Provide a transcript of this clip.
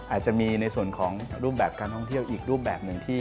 อาจจะมีในส่วนของรูปแบบการท่องเที่ยวอีกรูปแบบหนึ่งที่